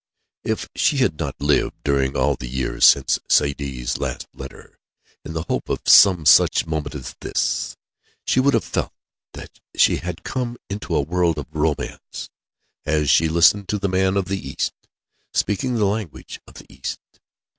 If she had not lived during all the years since Saidee's last letter, in the hope of some such moment as this, she would have felt that she had come into a world of romance, as she listened to the man of the East, speaking the language of the East.